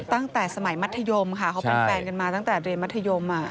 ตั้งแต่สมัยมัธยมค่ะเขาเป็นแฟนกันมาตั้งแต่เรียนมัธยม